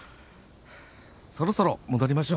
そろそろ戻りましょう。